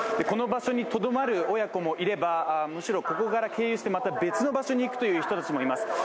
この場所にとどまる親子もいれば、むしろここから経由してまた別の場所に行くという人たちもいます。